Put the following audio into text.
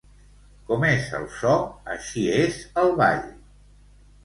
Com és el so, així és el ball.